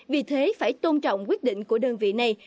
vì thế phải tôn trọng quyết định của đơn vị này